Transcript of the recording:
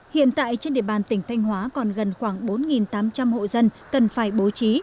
hiện tại trên địa bàn tỉnh thanh hóa còn gần khoảng bốn tám trăm linh hộ dân cần phải bố trí